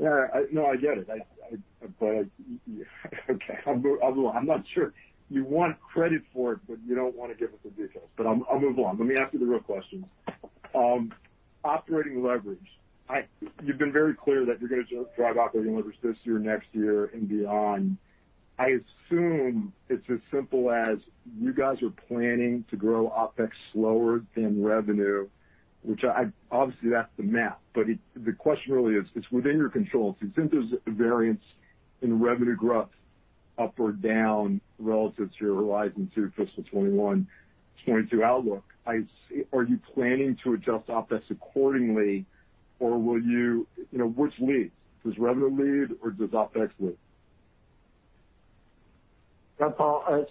Yeah. No, I get it. Okay. I'm not sure. You want credit for it, but you don't want to give us the details. I'll move on. Let me ask you the real questions. Operating leverage. You've been very clear that you're going to drive operating leverage this year, next year, and beyond. I assume it's as simple as you guys are planning to grow OpEx slower than revenue, which obviously that's the math, but the question really is, it's within your control. Since there's a variance in revenue growth up or down relative to your Horizon 2 fiscal 2021, 2022 outlook, are you planning to adjust OpEx accordingly? Which leads? Does revenue lead, or does OpEx lead? Paul.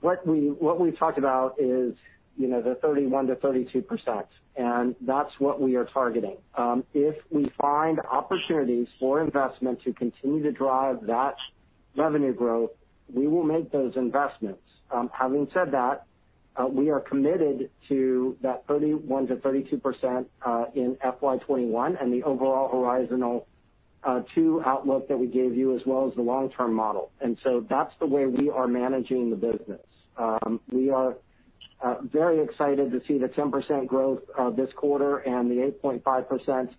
What we talked about is the 31%-32%, and that's what we are targeting. If we find opportunities for investment to continue to drive that revenue growth, we will make those investments. Having said that, we are committed to that 31%-32% in FY 2021 and the overall Horizon 2 outlook that we gave you, as well as the long-term model. That's the way we are managing the business. We are very excited to see the 10% growth this quarter and the 8.5%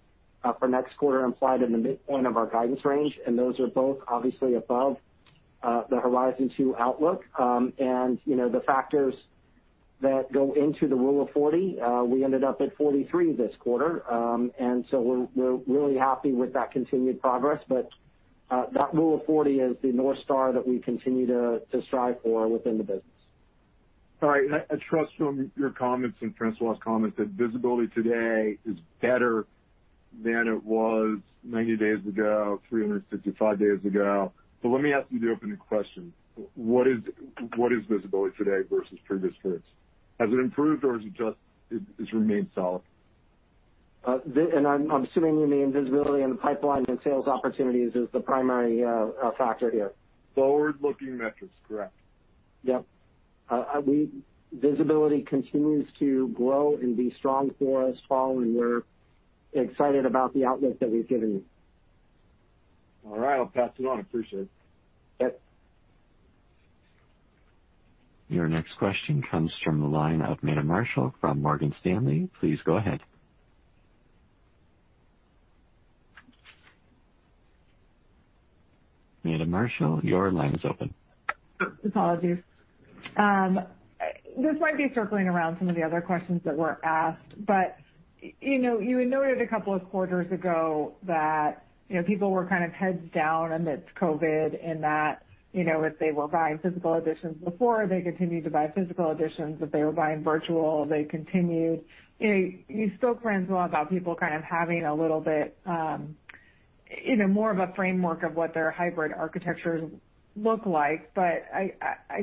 for next quarter implied in the midpoint of our guidance range, and those are both obviously above the Horizon 2 outlook. The factors that go into the Rule of 40, we ended up at 43 this quarter. We're really happy with that continued progress. That Rule of 40 is the North Star that we continue to strive for within the business. All right. I trust from your comments and François' comments that visibility today is better than it was 90 days ago, 365 days ago. Let me ask you the opening question. What is visibility today versus previous periods? Has it improved or has it remained solid? I'm assuming you mean visibility in the pipeline and sales opportunities is the primary factor here. Forward-looking metrics, correct. Yep. Visibility continues to grow and be strong for us, Paul, and we're excited about the outlook that we've given you. All right. I'll pass it on. Appreciate it. Yep. Your next question comes from the line of Meta Marshall from Morgan Stanley. Please go ahead. Meta Marshall, your line is open. Apologies. This might be circling around some of the other questions that were asked. You had noted a couple of quarters ago that people were kind of heads down amidst COVID and that if they were buying physical editions before, they continued to buy physical editions. If they were buying virtual, they continued. You spoke, François, about people kind of having a little bit more of a framework of what their hybrid architectures look like. I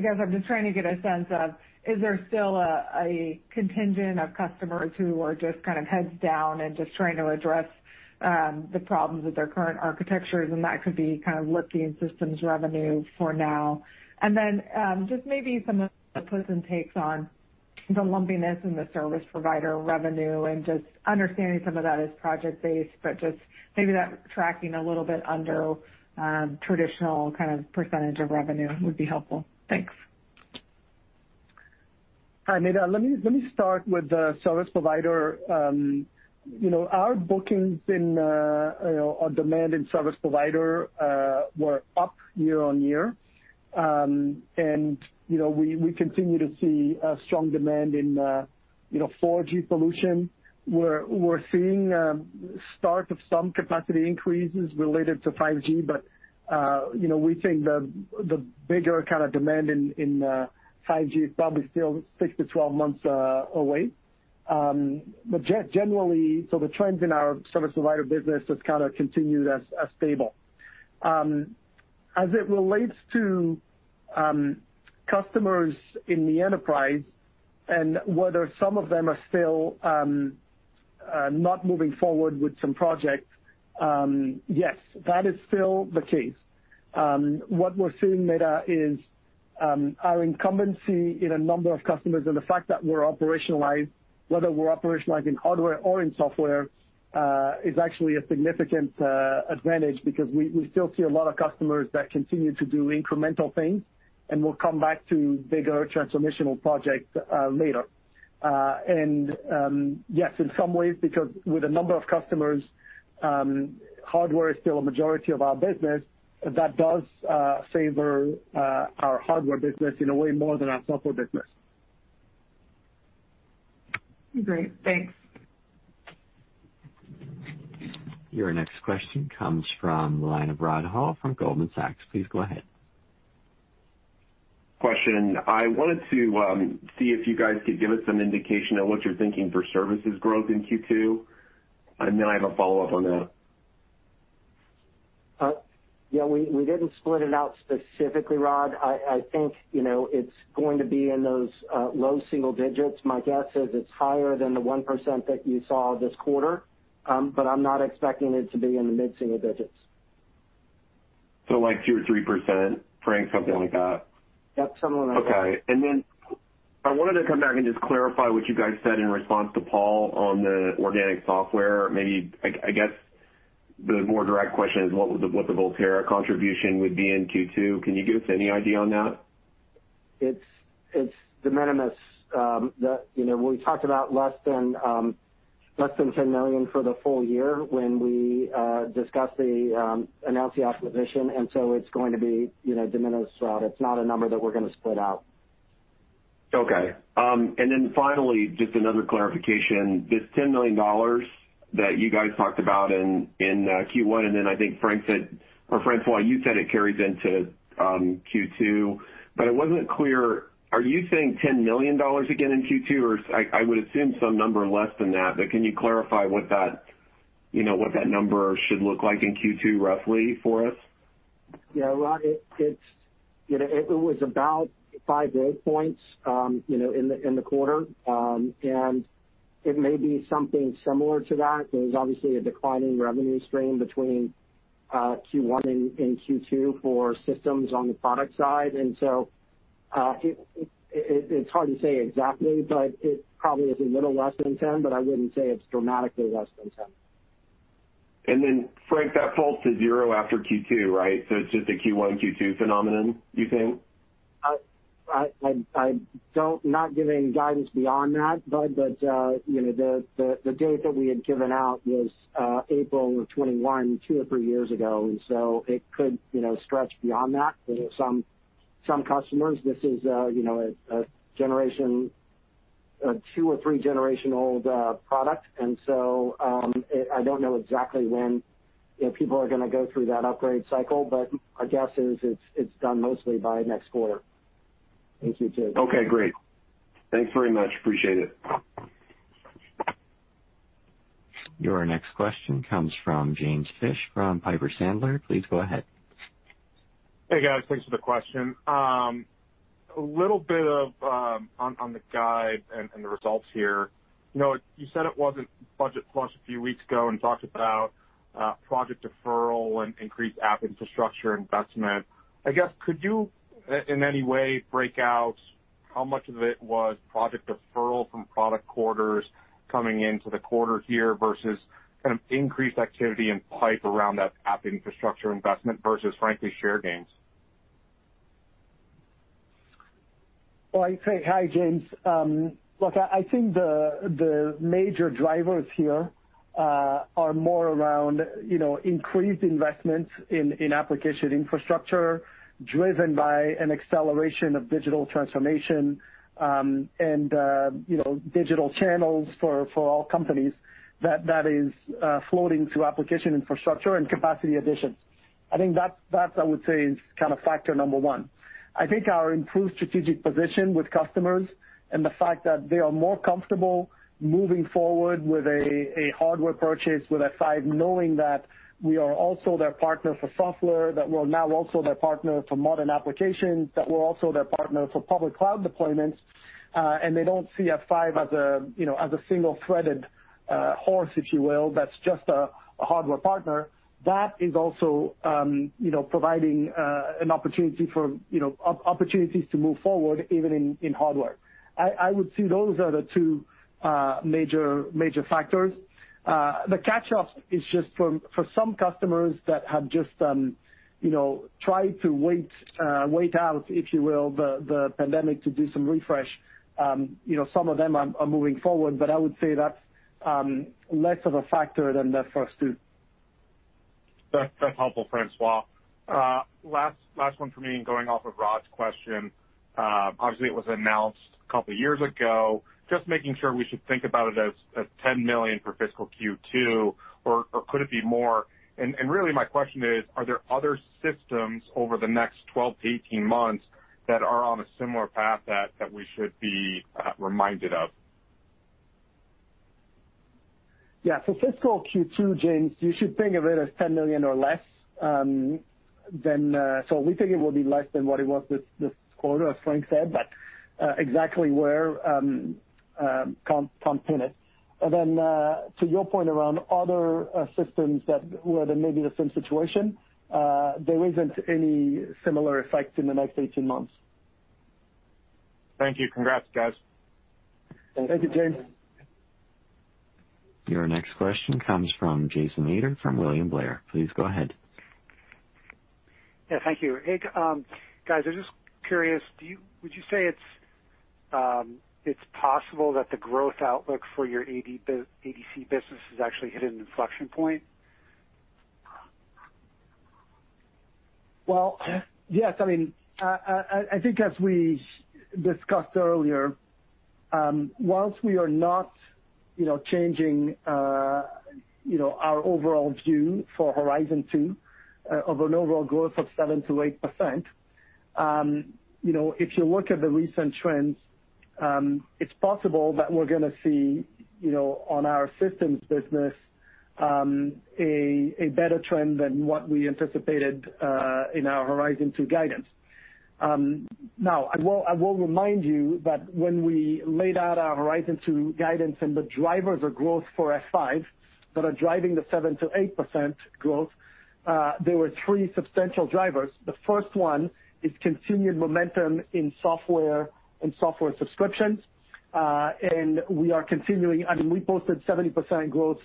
guess I'm just trying to get a sense of, is there still a contingent of customers who are just kind of heads down and just trying to address the problems with their current architectures, and that could be kind of lifting systems revenue for now? Just maybe some of the puts and takes on the lumpiness in the service provider revenue and just understanding some of that is project-based, but just maybe that tracking a little bit under traditional kind of percentage of revenue would be helpful. Thanks. Hi, Meta. Let me start with the service provider. Our bookings in our demand in service provider were up year-on-year. We continue to see a strong demand in 4G solution. We're seeing start of some capacity increases related to 5G, we think the bigger kind of demand in 5G is probably still 6-12 months away. Generally, the trends in our service provider business has kind of continued as stable. As it relates to customers in the enterprise and whether some of them are still not moving forward with some projects, yes, that is still the case. What we're seeing, Meta, is our incumbency in a number of customers and the fact that we're operationalized, whether we're operationalized in hardware or in software, is actually a significant advantage because we still see a lot of customers that continue to do incremental things and will come back to bigger transformational projects later. Yes, in some ways, because with a number of customers, hardware is still a majority of our business. That does favor our hardware business in a way more than our software business. Great. Thanks. Your next question comes from the line of Rod Hall from Goldman Sachs. Please go ahead. Question. I wanted to see if you guys could give us some indication of what you're thinking for services growth in Q2. I have a follow-up on that. Yeah, we didn't split it out specifically, Rod. I think it's going to be in those low single digits. My guess is it's higher than the 1% that you saw this quarter, but I'm not expecting it to be in the mid-single digits. Like 2%, 3%, Frank, something like that? Yep, something like that. Okay. I wanted to come back and just clarify what you guys said in response to Paul on the organic software. Maybe, I guess, the more direct question is what the Volterra contribution would be in Q2. Can you give us any idea on that? It's de minimis. We talked about less than $10 million for the full year when we announced the acquisition, and so it's going to be de minimis, Rod. It's not a number that we're going to split out. Okay. Finally, just another clarification. This $10 million that you guys talked about in Q1, and then I think, François, you said it carries into Q2, but it wasn't clear. Are you saying $10 million again in Q2, or I would assume some number less than that, but can you clarify what that number should look like in Q2 roughly for us? Yeah, Rod, it was about five to eight points in the quarter. It may be something similar to that. There's obviously a declining revenue stream between Q1 and Q2 for systems on the product side. It's hard to say exactly, but it probably is a little less than 10, but I wouldn't say it's dramatically less than 10. Frank, that falls to zero after Q2, right? It's just a Q1, Q2 phenomenon, you think? I'm not giving guidance beyond that, Rod, but the date that we had given out was April 21, two or three years ago, and so it could stretch beyond that. For some customers, this is a two or three-generation-old product, and so I don't know exactly when people are going to go through that upgrade cycle, but our guess is it's done mostly by next quarter. Okay, great. Thanks very much. Appreciate it. Your next question comes from James Fish from Piper Sandler. Please go ahead. Hey, guys. Thanks for the question. A little bit on the guide and the results here. You said it wasn't budget plus a few weeks ago and talked about project deferral and increased app infrastructure investment. I guess, could you, in any way, break out how much of it was project deferral from product quarters coming into the quarter here versus increased activity and pipe around that app infrastructure investment versus, frankly, share gains? Well, hi, James. Look, I think the major drivers here are more around increased investments in application infrastructure driven by an acceleration of digital transformation, and digital channels for all companies that is flowing through application infrastructure and capacity additions. I think that, I would say, is factor number one. I think our improved strategic position with customers and the fact that they are more comfortable moving forward with a hardware purchase with F5, knowing that we are also their partner for software, that we're now also their partner for modern applications, that we're also their partner for public cloud deployments, and they don't see F5 as a single-threaded horse, if you will, that's just a hardware partner. That is also providing opportunities to move forward even in hardware. I would say those are the two major factors. The catch-up is just for some customers that have just tried to wait out, if you will, the pandemic to do some refresh. Some of them are moving forward, but I would say that's less of a factor than the first two. That's helpful, François. Last one from me, and going off of Rod's question. Obviously, it was announced a couple of years ago. Just making sure we should think about it as $10 million for fiscal Q2, or could it be more? Really, my question is, are there other systems over the next 12-18 months that are on a similar path that we should be reminded of? Yeah. For fiscal Q2, James, you should think of it as $110 million or less. We think it will be less than what it was this quarter, as Frank said, but exactly where, can't pin it. To your point around other systems that were maybe the same situation, there isn't any similar effect in the next 18 months. Thank you. Congrats, guys. Thank you, James. Your next question comes from Jason Ader from William Blair. Please go ahead. Yeah, thank you. Hey, guys, I'm just curious, would you say it's possible that the growth outlook for your ADC business has actually hit an inflection point? Well, yes. I think as we discussed earlier, whilst we are not changing our overall view for Horizon 2 of an overall growth of 7%-8%, if you look at the recent trends, it's possible that we're going to see on our systems business, a better trend than what we anticipated in our Horizon 2 guidance. Now, I will remind you that when we laid out our Horizon 2 guidance and the drivers of growth for F5 that are driving the 7%-8% growth, there were three substantial drivers. The first one is continued momentum in software and software subscriptions. I mean, we posted 70% growth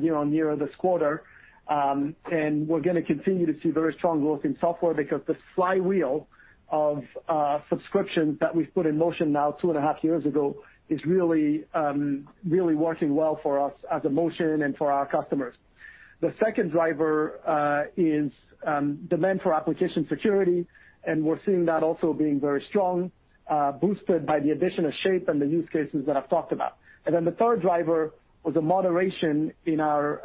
year-over-year this quarter. We're going to continue to see very strong growth in software because the flywheel of subscriptions that we've put in motion now two and a half years ago is really working well for us as a motion and for our customers. The second driver is demand for application security, and we're seeing that also being very strong, boosted by the addition of Shape and the use cases that I've talked about. The third driver was a moderation in our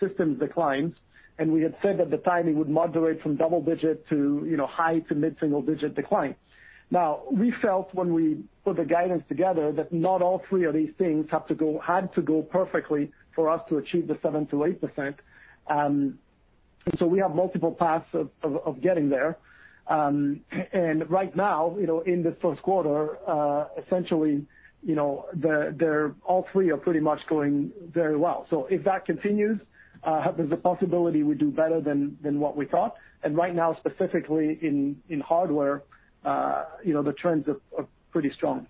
systems declines, and we had said at the time it would moderate from double-digit to high-to-mid single-digit decline. Now, we felt when we put the guidance together that not all three of these things had to go perfectly for us to achieve the 7%-8%. We have multiple paths of getting there. Right now, in this first quarter, essentially, all three are pretty much going very well. If that continues, there's a possibility we do better than what we thought. Right now, specifically in hardware, the trends are pretty strong.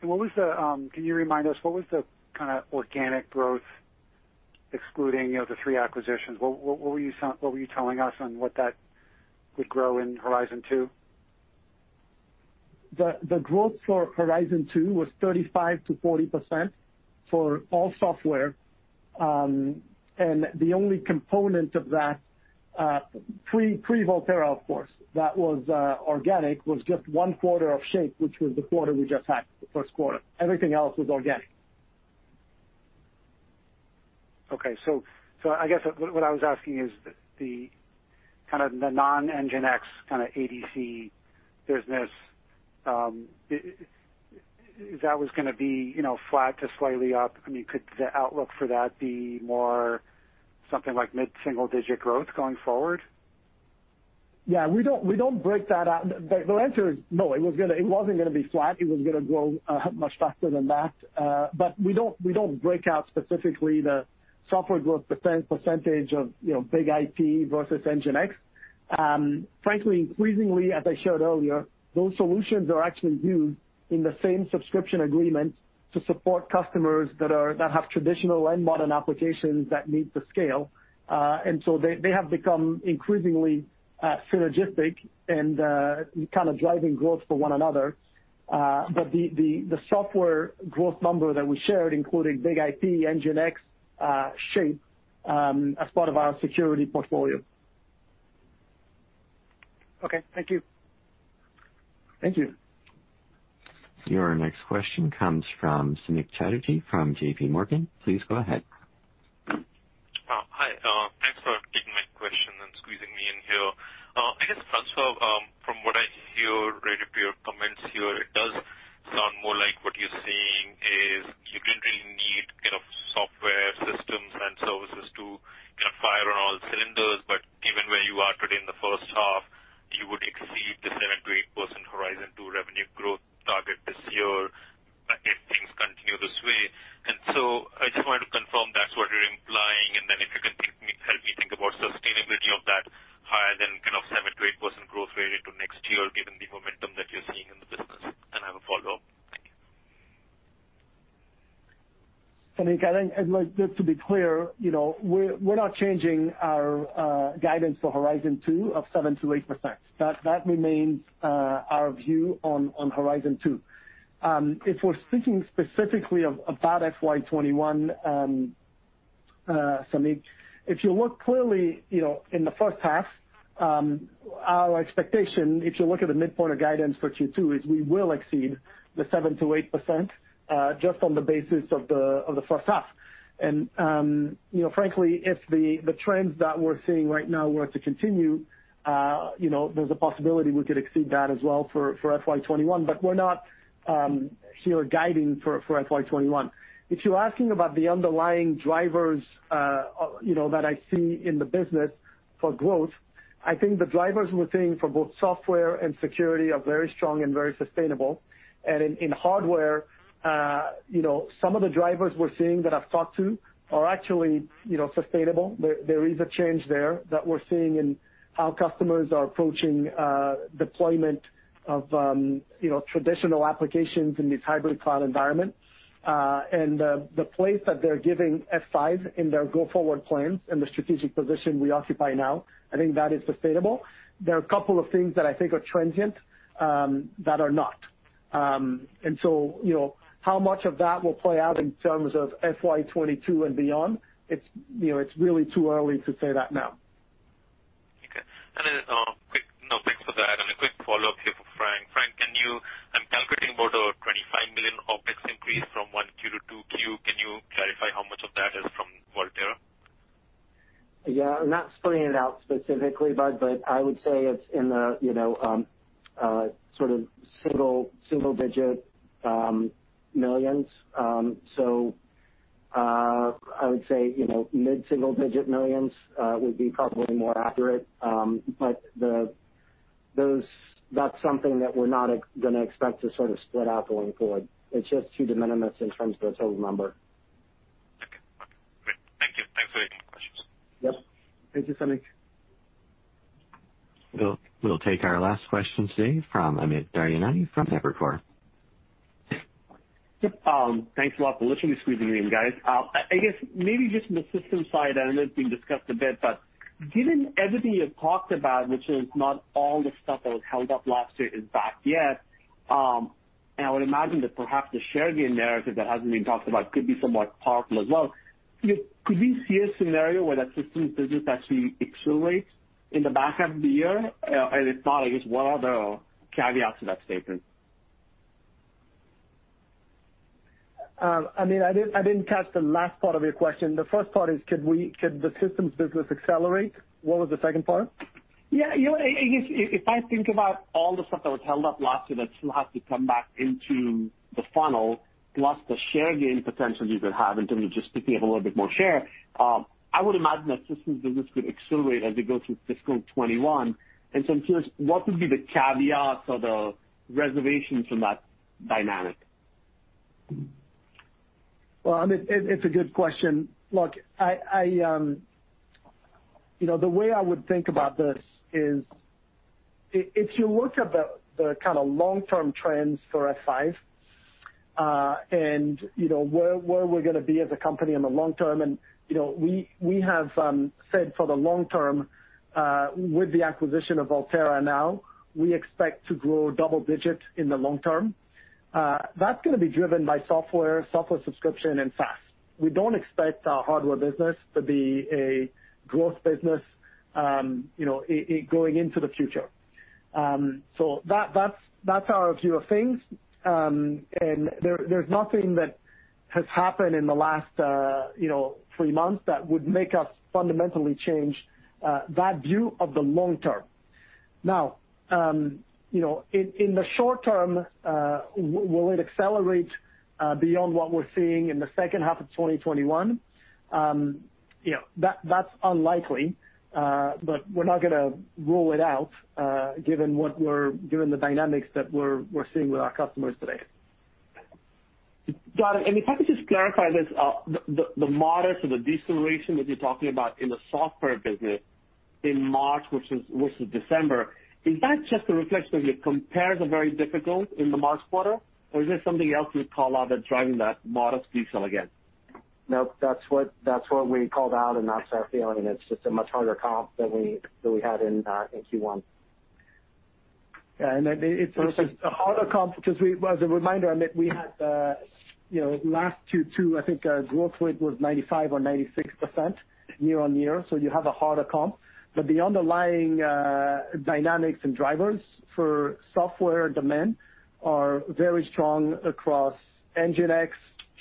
Can you remind us what was the kind of organic growth, excluding the three acquisitions? What were you telling us on what that would grow in Horizon 2? The growth for Horizon 2 was 35%-40% for all software. The only component of that, pre-Volterra, of course, that was organic, was just one quarter of Shape, which was the quarter we just had, the first quarter. Everything else was organic. Okay. I guess what I was asking is the non-NGINX kind of ADC business, if that was going to be flat to slightly up. Could the outlook for that be more something like mid-single digit growth going forward? We don't break that out. The answer is no. It wasn't going to be flat. It was going to grow much faster than that. We don't break out specifically the software growth percentage of BIG-IP versus NGINX. Frankly, increasingly, as I showed earlier, those solutions are actually used in the same subscription agreement to support customers that have traditional and modern applications that need to scale. They have become increasingly synergistic and kind of driving growth for one another. The software growth number that we shared, including BIG-IP, NGINX, Shape, as part of our security portfolio. Okay. Thank you. Thank you. Your next question comes from Samik Chatterjee from JPMorgan. Please go ahead. Hi. Thanks for taking my question and squeezing me in here. I guess, François, from what I hear related to your comments here, it does sound more like what you are saying is you did not really need software, systems, and services to kind of fire on all cylinders. Given where you are today in the first half, you would exceed the 7%-8% Horizon 2 revenue growth target this year if things continue this way. So I just wanted to confirm that is what you are implying, and then if you can help me think about sustainability of that higher than kind of 7%-8% growth rate into next year, given the momentum that you are seeing in the business. I have a follow-up. Thank you. Samik, just to be clear, we're not changing our guidance for Horizon 2 of 7%-8%. That remains our view on Horizon 2. If we're thinking specifically about FY 2021, Samik, if you look clearly in the first half, our expectation, if you look at the midpoint of guidance for Q2, is we will exceed the 7%-8%, just on the basis of the first half. Frankly, if the trends that we're seeing right now were to continue, there's a possibility we could exceed that as well for FY 2021. We're not here guiding for FY 2021. If you're asking about the underlying drivers that I see in the business for growth, I think the drivers we're seeing for both software and security are very strong and very sustainable. In hardware, some of the drivers we're seeing that I've talked to are actually sustainable. There is a change there that we're seeing in how customers are approaching deployment of traditional applications in these hybrid cloud environments. The place that they're giving F5 in their go-forward plans and the strategic position we occupy now, I think that is sustainable. There are a couple of things that I think are transient, that are not. How much of that will play out in terms of FY 2022 and beyond? It's really too early to say that now. Okay. Thanks for that. A quick follow-up here for Frank. Frank, I'm calculating about a $25 million OpEx increase from 1Q to 2Q. Can you clarify how much of that is from Volterra? Yeah. I'm not splitting it out specifically, bud, but I would say it's in the sort of single-digit millions. I would say mid-single digit millions would be probably more accurate. That's something that we're not going to expect to sort of split out going forward. It's just too de minimis in terms of a total number. Okay, great. Thank you. Thanks for taking the questions. Yep. Thank you, Samik. We'll take our last question today from Amit Daryanani from Evercore. Yep. Thanks a lot for literally squeezing me in, guys. I guess maybe just on the systems side, I know it's been discussed a bit, but given everything you've talked about, which is not all the stuff that was held up last year is back yet, and I would imagine that perhaps the share gain narrative that hasn't been talked about could be somewhat powerful as well. Could we see a scenario where that systems business actually accelerates in the back half of the year? If not, I guess what are the caveats to that statement? Amit, I didn't catch the last part of your question. The first part is, could the systems business accelerate? What was the second part? Yeah. I guess if I think about all the stuff that was held up last year that still has to come back into the funnel, plus the share gain potentially you could have in terms of just picking up a little bit more share, I would imagine that systems business could accelerate as we go through FY 2021. I'm curious, what would be the caveats or the reservations from that dynamic? Well, Amit, it's a good question. Look, the way I would think about this is, if you look at the kind of long-term trends for F5, and where we're going to be as a company in the long term, and we have said for the long term, with the acquisition of Volterra now, we expect to grow double digit in the long term. That's going to be driven by software subscription, and SaaS. We don't expect our hardware business to be a growth business going into the future. That's our view of things. There's nothing that has happened in the last three months that would make us fundamentally change that view of the long term. Now, in the short term, will it accelerate beyond what we're seeing in the second half of 2021? That's unlikely. We're not going to rule it out given the dynamics that we're seeing with our customers today. Got it. If I could just clarify this, the modest or the deceleration that you're talking about in the software business in March versus December, is that just a reflection of the compares are very difficult in the March quarter, or is there something else you'd call out that's driving that modest deceleration? Nope, that's what we called out, and that's our feeling. It's just a much harder comp than we had in Q1. Yeah. It's a harder comp because as a reminder, Amit, we had last Q2, I think our growth rate was 95% or 96% year-on-year. You have a harder comp. The underlying dynamics and drivers for software demand are very strong across NGINX,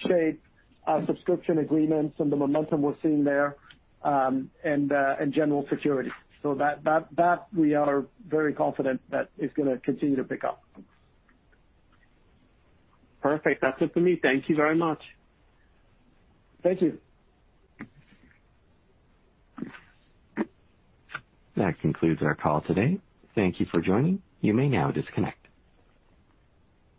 Shape, our subscription agreements, and the momentum we're seeing there, and general security. That we are very confident that is going to continue to pick up. Perfect. That's it for me. Thank you very much. Thank you. That concludes our call today. Thank you for joining. You may now disconnect.